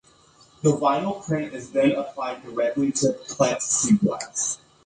The vinyl print is then applied directly to plexiglass.